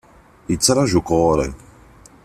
Yettraju-k ɣur-i.